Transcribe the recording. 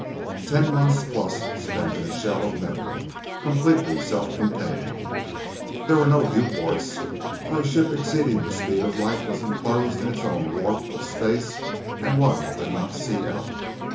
Ten months plus, spent in a shell of metal, completely self contained. There were no viewports for a ship exceeding the speed of light was enclosed in its own warp of space and one could not see out.